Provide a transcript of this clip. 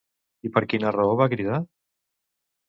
I per quina raó va cridar?